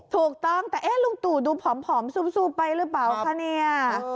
ถูกต้องแต่เอ๊ะลุงตู่ดูผอมซูบไปหรือเปล่าคะเนี่ย